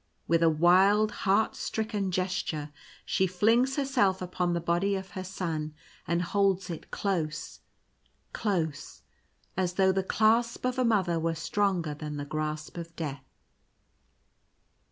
With a wild, heart stricken gesture, she flings herself upon the body of her Son and holds it close, close — as though the clasp of a Mother were stronger than the grasp of Death.